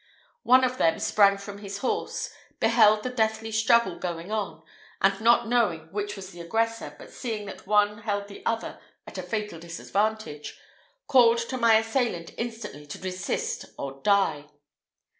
One of them sprang from his horse, beheld the deathly struggle going on, and not knowing which was the aggressor, but seeing that one held the other at a fatal disadvantage, called to my assailant instantly to desist or die.